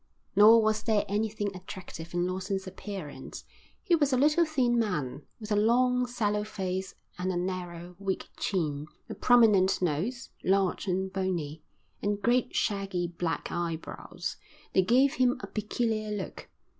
Nor was there anything attractive in Lawson's appearance. He was a little thin man, with a long, sallow face and a narrow, weak chin, a prominent nose, large and bony, and great shaggy black eyebrows. They gave him a peculiar look.